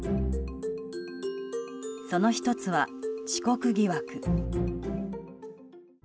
その１つは遅刻疑惑。